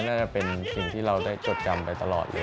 น่าจะเป็นสิ่งที่เราได้จดจำไปตลอดเลย